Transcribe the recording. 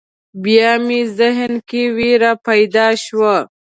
بیا مې ذهن کې وېره پیدا شوه.